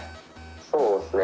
「そうですね。